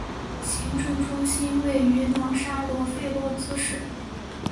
行政中心位于瑙沙罗费洛兹市。